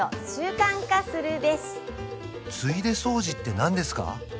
ついで掃除ってなんですか？